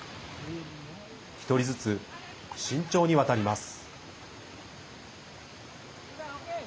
１人ずつ、慎重に渡ります。